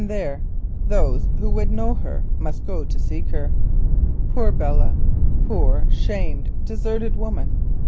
There those who would know her must go to seek her. Poor Belle! Poor shamed, deserted woman!